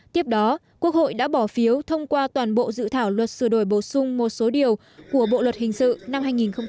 tiếp đó quốc hội đã bỏ phiếu thông qua toàn bộ dự thảo luật sửa đổi bổ sung một số điều của bộ luật hình sự năm hai nghìn một mươi năm